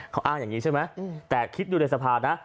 เขาอ้างอย่างนี้ใช่ไหมแต่คิดดูในสภานะ